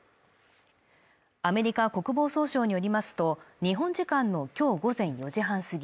アメリカ国防総省によりますと日本時間のきょう午前４時半過ぎ